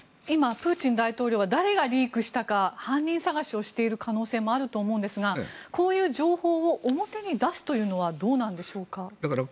今、プーチン大統領は誰がリークしたか犯人探しをしている可能性もあると思うんですがこういう情報を表に出すというのはどうなんでしょうか。